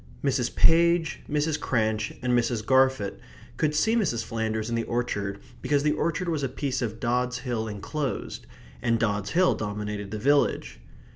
Mrs. Page, Mrs. Cranch, and Mrs. Garfit could see Mrs. Flanders in the orchard because the orchard was a piece of Dods Hill enclosed; and Dods Hill dominated the village.